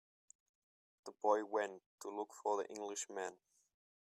The boy went to look for the Englishman.